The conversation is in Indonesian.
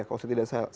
kalau tidak salah